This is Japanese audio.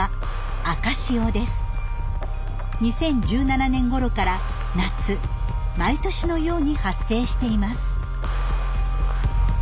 ２０１７年ごろから夏毎年のように発生しています。